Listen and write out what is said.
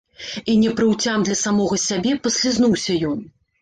І неўпрыцям для самога сябе паслізнуўся ён.